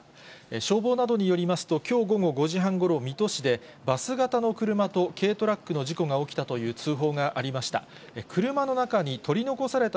消防などによりますと、きょう午後５時半ごろ、水戸市で、バス型の車と軽トラックの事故が起きたという通報がありました。